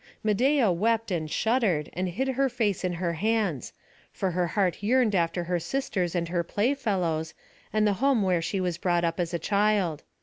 Medeia wept, and shuddered, and hid her face in her hands; for her heart yearned after her sisters and her playfellows, and the home where she was brought up as a child.